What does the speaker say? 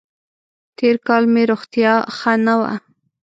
تېر کال مې روغتیا ښه نه وه.